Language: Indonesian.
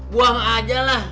buang aja lah